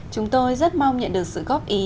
chúng tôi rất mong nhận được sự góp ý